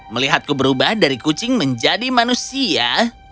melihatku berubah dari kucing menjadi manusia